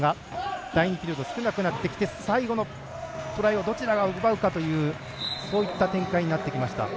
第２ピリオド少なくなってきて最後のトライをどちらが奪うかという展開になってきました。